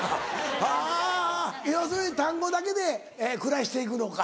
はぁ要するに単語だけで暮らして行くのか？